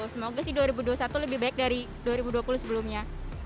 semoga sih dua ribu dua puluh satu lebih baik dari dua ribu dua puluh sebelumnya